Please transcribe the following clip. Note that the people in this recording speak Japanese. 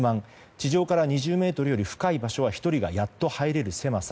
地上から２０ｍより深い場所は１人がやっと入れる狭さ。